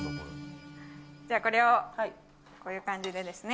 これを、こういう感じで。